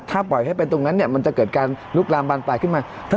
ถ้าปล่อยให้เป็นตรงนั้นเนี่ยมันจะเกิดการลุกลามบานปลายขึ้นมา